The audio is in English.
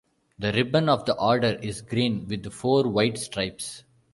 The "ribbon" of the Order is green with four white stripes.